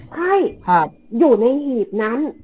ใช่อยู่ในหีบนั้น